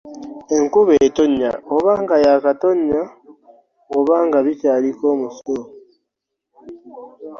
Enkuba etonnya oba nga yaakatonnya oba nga bikyaliko omusulo.